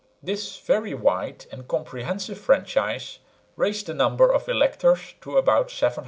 This very wide and comprehensive franchise raised the number of electors to about 700,000.